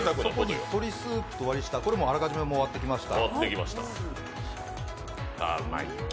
鶏スープと割下、これもあらかじめ持ってきました。